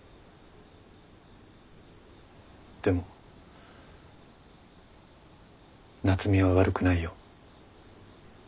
でも夏海は悪くないよ。